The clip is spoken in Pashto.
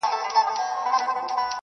فکر مو وکړ چي د دغو کوچنیو